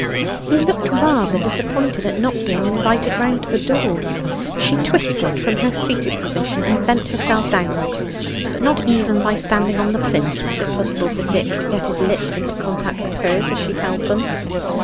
He looked rather disappointed at not being invited round to the door. She twisted from her seated position and bent herself downwards, but not even by standing on the plinth was it possible for Dick to get his lips into contact with hers as she held them.